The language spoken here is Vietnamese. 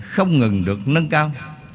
không ngừng được nâng cao